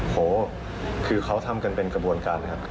โหคือเขาทำกันเป็นกระบวนการนะครับ